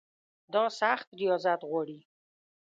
دا سخت ریاضت غواړي.